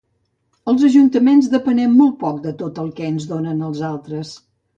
Els ajuntaments depenem molt poc de tot el que ens donen els altres.